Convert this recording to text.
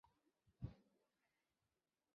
在金刚界曼荼罗的九会中设有理趣会。